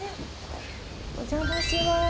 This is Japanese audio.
お邪魔します。